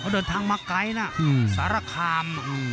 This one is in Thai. เดินทางมาไกลนะสารคาม